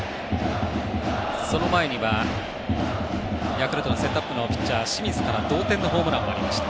その前には、ヤクルトのセットアップのピッチャー、清水から同点のホームランもありました。